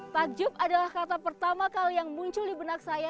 takjub adalah kata pertama kali yang muncul di benak saya